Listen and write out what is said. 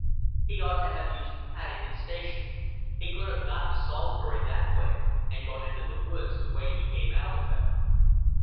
He ought to have used Paddington Station he could have got to Salisbury that way, and gone into the woods the way he came out of them.